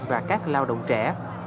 và các lao động trẻ